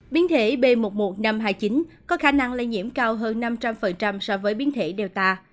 biến thể b một một năm trăm hai mươi chín có khả năng lây nhiễm cao hơn năm trăm linh so với biến thể delta